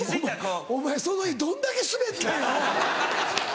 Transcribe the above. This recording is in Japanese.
お前その日どんだけスベったんや？